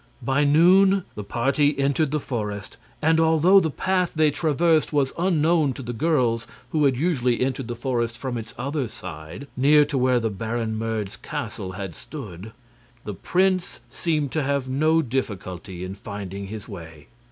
By noon the party entered the forest, and although the path they traversed was unknown to the girls, who had usually entered the forest from its other side, near to where the Baron Merd's castle had stood, the prince seemed to have no difficulty in finding his way.